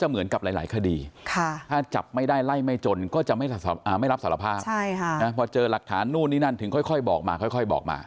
ไม่รับสารภาพพอเจอหลักฐานนู่นนี่นั่นถึงค่อยบอกมาค่อยบอกมา